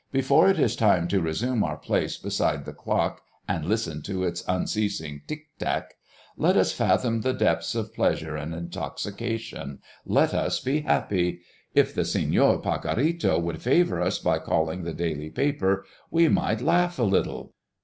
"Before it is time to resume our place beside the clock and listen to its unceasing tic tac, let us fathom the depths of pleasure and intoxication, let us be happy! If the Señor Pacorrito would favor us by calling the daily paper, we might laugh a little."